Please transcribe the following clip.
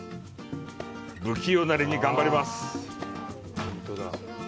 不器用なりに頑張ります。